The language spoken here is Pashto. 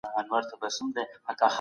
تاسو ولې د برق کار نه زده کوئ؟